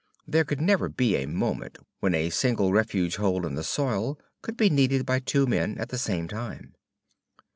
There could never be a moment when a single refuge hole in the soil could be needed by two men at the same time.